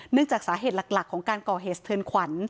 จากสาเหตุหลักของการก่อเหตุสะเทือนขวัญ